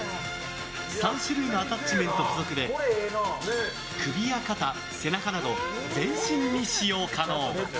３種類のアタッチメント付属で首や肩、背中など全身に使用可能。